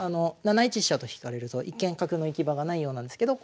７一飛車と引かれると一見角の行き場がないようなんですけど